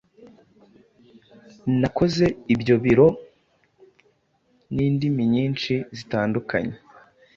Nakoze ibyo biro, nindiminyinhi zitandukanye